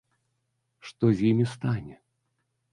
Што з імі стане?